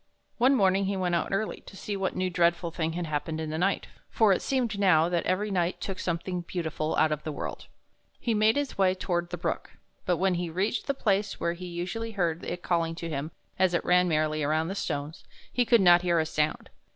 One morning he went out early, to see what new and dreadful thing had happened in the night, for it seemed now that every night took something beautiful out of the world. He made his way toward the brook, but when he reached the place where he usually heard it calling to him as it ran merrily over the stones, he could not hear a sound.